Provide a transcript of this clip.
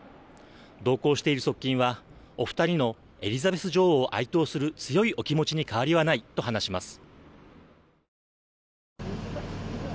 同行している側近はお二人のエリザベス女王を哀悼する強いお気持ちに変わりはないと話します。